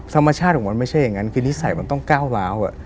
ธรรมชาติของมันไม่ใช่อย่างนั้นคือนิสัยมันต้องก้าวร้าว